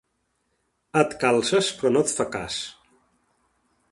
Et calces però no et fa cas.